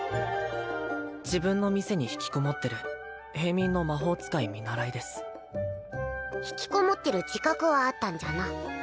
自分の店に引きこもってる平民の魔法使い見習いです引きこもってる自覚はあったんじゃな